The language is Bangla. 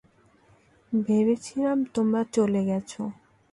ভেবেছিলাম তোমরা চলে গেছো।